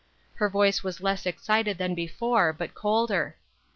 Her voice was less excited than before, but colder.